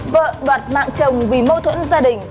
vợ đoạt mạng chồng vì mâu thuẫn gia đình